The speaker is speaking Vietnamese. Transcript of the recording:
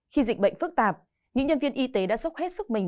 khi dịch bệnh phức tạp những nhân viên y tế đã sốc hết sức mình